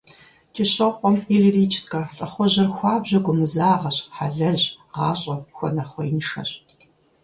КӀыщокъуэм и лирическэ лӀыхъужьыр хуабжьу гумызагъэщ, хьэлэлщ, гъащӀэм хуэнэхъуеиншэщ.